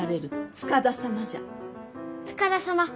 塚田様